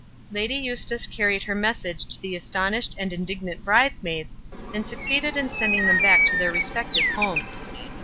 Lady Eustace carried her message to the astonished and indignant bridesmaids, and succeeded in sending them back to their respective homes.